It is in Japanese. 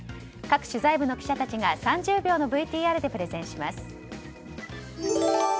各取材部の記者たちが３０秒のＶＴＲでプレゼンします。